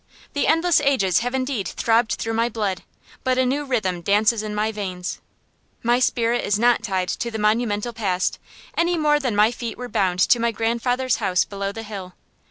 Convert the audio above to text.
The endless ages have indeed throbbed through my blood, but a new rhythm dances in my veins. My spirit is not tied to the monumental past, any more than my feet were bound to my grandfather's house below the hill.